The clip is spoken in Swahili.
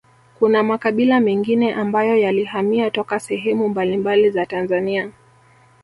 Kuna makabila mengine ambayo yalihamia toka sehemu mbambali za Tanzania